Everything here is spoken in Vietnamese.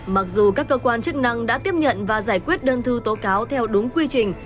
mặc dù các cơ quan chức năng đã tiếp nhận và giải quyết đơn thư tố cáo theo đúng quy trình